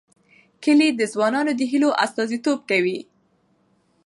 کلي د ځوانانو د هیلو استازیتوب کوي.